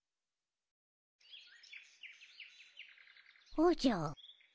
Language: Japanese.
おじゃ。